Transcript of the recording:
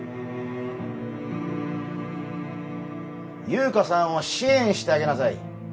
優香さんを支援してあげなさい。